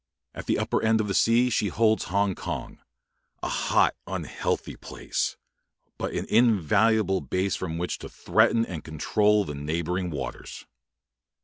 At the upper end of the sea she holds Hong Kong, a hot, unhealthy island, but an invaluable base from which to threaten and control the neighbouring waters.